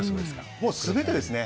もうすべてですね。